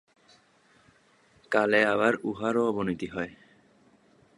কালে আবার উহারও অবনতি হয়।